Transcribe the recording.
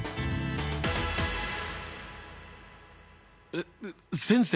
えっ先生